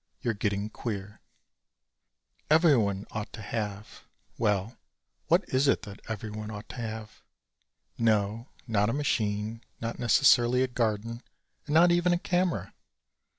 You're Getting Queer Everyone ought to have well, what is it that everyone ought to have? No, not a machine, not necessarily a garden and not even a camera.